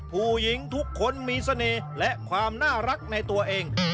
ผู้หญิงทุกคนมีเสน่ห์และความน่ารักในตัวเอง